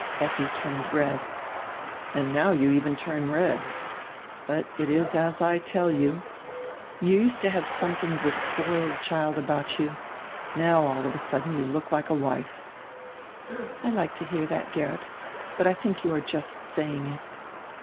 Effi turned red. "And now you even turn red. But it is as I tell you. You used to have somediing of die spoiled child about you; now all of a sudden you, look like a wife." "I like to hear diat, Geert, but I diink you are just saying it."